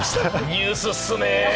ニュースっすね。